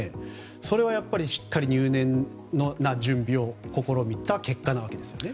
それはしっかり入念な準備を試みた結果なわけですよね。